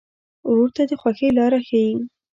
ورور ته د خوښۍ لاره ښيي.